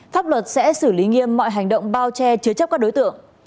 pháp luật sẽ xử lý nghiêm mọi hành động bao che chứa chấp các đối tượng